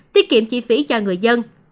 tiết kiệm chi phí cho người dân